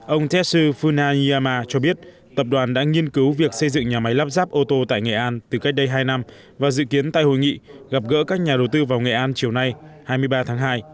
ông tetsu funayama cho biết tập đoàn đã nghiên cứu việc xây dựng nhà máy lắp ráp ô tô tại nghệ an từ cách đây hai năm và dự kiến tại hội nghị gặp gỡ các nhà đầu tư vào nghệ an chiều nay hai mươi ba tháng hai